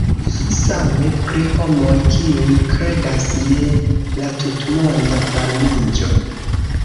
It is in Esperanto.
Same pri homoj, kiuj kredas je la tutmonda varmiĝo.